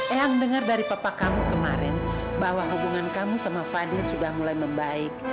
ayang dengar dari papa kamu kemarin bahwa hubungan kamu sama fadil sudah mulai membebaskan